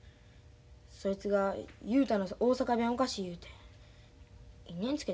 そいつが雄太の大阪弁おかしい言うて因縁つけてきたんや。